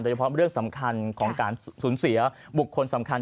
เฉพาะเรื่องสำคัญของการสูญเสียบุคคลสำคัญ